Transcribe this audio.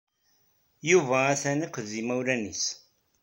Yuba ha-t-an akked yimawlan-is.